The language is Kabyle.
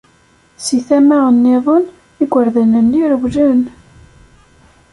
Si tama nniḍen, igerdan-nni rewlen.